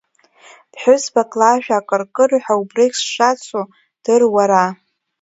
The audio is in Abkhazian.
Ԥҳәызбак лашәа акыркырҳәа, убрыгь сшацу дыр, уара!